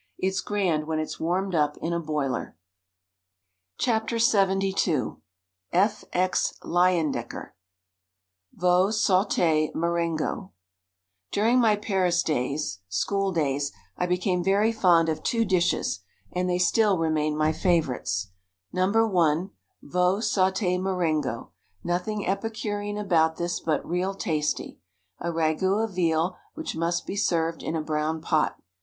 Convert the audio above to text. It's grand when it's warmed up in a boiler. THE STAG COOK BOOK Lxxn F, X, Leyendecker VEAU SAUTE MARENGO During my Paris days (school days) I became very fond of two dishes and they still remain my favorites: No. I — Veau Saute Marengo — nothing epicurean about this, but real tasty; a ragout of veal which must be served in a brown pot.